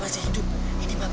kata ibu kamu udah meninggal